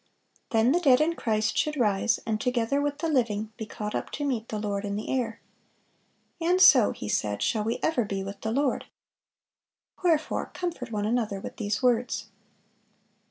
Then the dead in Christ should rise, and together with the living be caught up to meet the Lord in the air. "And so," he said, "shall we ever be with the Lord. Wherefore comfort one another with these words."